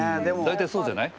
大体そうじゃない？